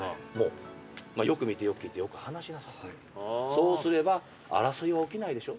そうすれば争いは起きないでしょ